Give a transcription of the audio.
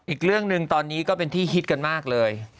อีกเรื่องหนึ่งตอนนี้ก็เป็นที่ฮิตกันมากเลย